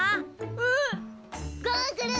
うん！ゴーグル！